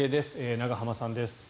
永濱さんです。